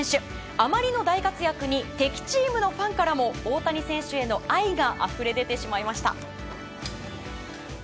あまりの大活躍に敵チームのファンからも大谷選手への愛があふれ出てしまいました。